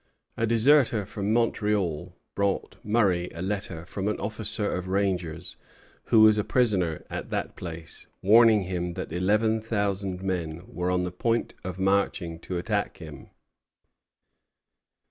A deserter from Montreal brought Murray a letter from an officer of rangers, who was a prisoner at that place, warning him that eleven thousand men were on the point of marching to attack him.